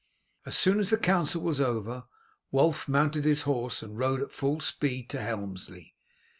As soon as the council was over Wulf mounted his horse and rode at full speed to Helmsley.